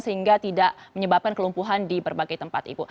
sehingga tidak menyebabkan kelumpuhan di berbagai tempat ibu